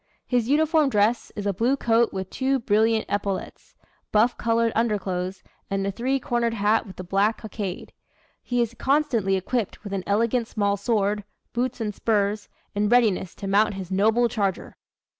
His uniform dress is a blue coat with two brilliant epaulets, buff colored underclothes, and a three cornered hat with a black cockade. He is constantly equipped with an elegant small sword, boots and spurs, in readiness to mount his noble charger."